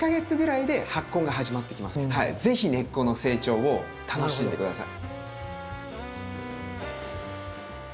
是非根っこの成長を楽しんで下さい。